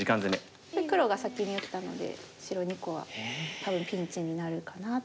黒が先に打ったので白２個は多分ピンチになるかなと。